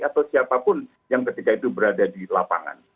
atau siapapun yang ketika itu berada di lapangan